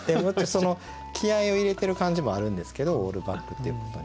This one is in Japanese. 気合いを入れてる感じもあるんですけどオールバックっていうことに。